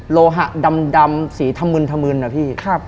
โลหะดำสีธมืนอะพี่